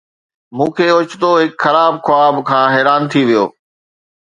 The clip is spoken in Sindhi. مون کي اوچتو هڪ خراب خواب کان حيران ٿي ويو